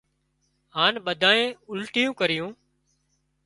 هانَ ٻڌانئي اُلٽيون ڪريون